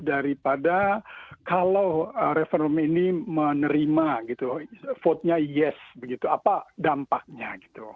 daripada kalau referendum ini menerima vote nya yes apa dampaknya